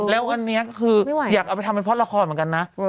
แล้วอันนี้คืออยากเอาไปทำเป็นเพราะละครเหมือนกันนะ